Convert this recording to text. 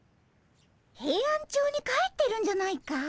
ヘイアンチョウに帰ってるんじゃないかい？